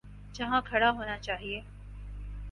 جہاں کھڑا ہونا چاہیے۔